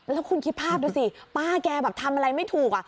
แล้วคุณคิดภาพดูสิป้าแกแบบทำอะไรไม่ถูก